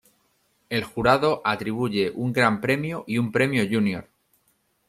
El jurado atribuye un gran premio y un premio júnior.